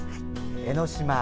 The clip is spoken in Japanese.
江の島。